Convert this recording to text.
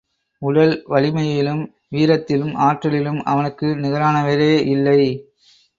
உடல் வலிமையிலும், வீரத்திலும், ஆற்றலிலும் அவனுக்கு நிகரானவரேயில்லை.